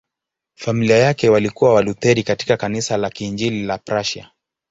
Familia yake walikuwa Walutheri katika Kanisa la Kiinjili la Prussia.